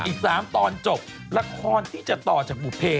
อีก๓ตอนจบละครที่จะต่อจากบุภเพ